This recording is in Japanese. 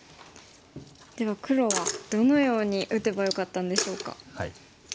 では黒はどのように打てばよかったんでしょうか。